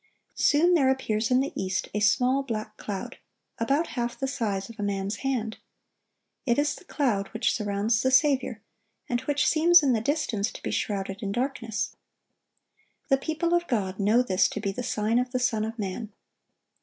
Soon there appears in the east a small black cloud, about half the size of a man's hand. It is the cloud which surrounds the Saviour, and which seems in the distance to be shrouded in darkness. The people of God know this to be the sign of the Son of man.